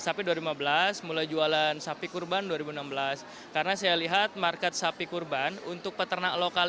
sapi dua ribu lima belas mulai jualan sapi kurban dua ribu enam belas karena saya lihat market sapi kurban untuk peternak lokal